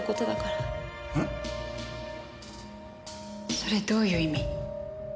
それどういう意味？